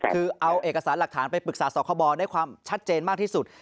คือเอาเอกสารหลักฐานไปปรึกษาสคบได้ความชัดเจนมากที่สุด